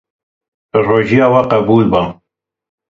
Rojiya we qebûl be.